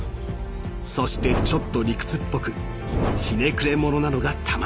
［そしてちょっと理屈っぽくひねくれ者なのが玉にきず］